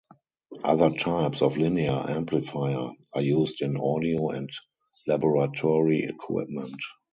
Other types of linear amplifier are used in audio and laboratory equipment.